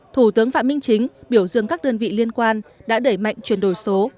thủ tướng phạm minh chính biểu dương các đơn vị liên quan đã đẩy mạnh chuyển đổi số